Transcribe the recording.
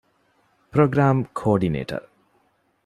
ޕްރޮގްރާމް ކޯޑިނޭޓަރ